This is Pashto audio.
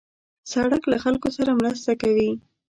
سړک له خلکو سره مرسته کوي.